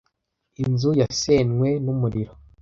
Inzu yasenywe n'umuriro.